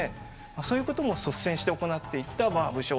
そういうことも率先して行っていった武将であると。